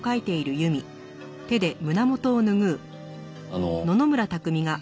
あの。